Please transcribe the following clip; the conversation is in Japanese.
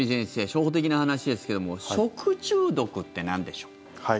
初歩的な話ですけども食中毒ってなんでしょう？